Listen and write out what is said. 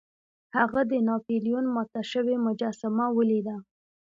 هغه د ناپلیون ماته شوې مجسمه ولیده.